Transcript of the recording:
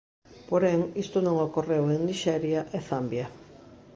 Porén, isto non ocorreu en Nixeria e Zambia.